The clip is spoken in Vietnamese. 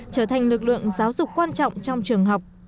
trở thành lực lượng giáo dục quan trọng trong trường học